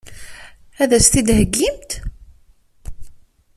Ad as-tt-id-theggimt?